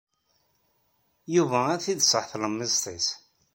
Yuba ad t-id-tṣaḥ tlemmiẓt-is.